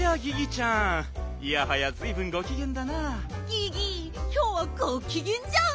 ギギきょうはごきげんじゃん。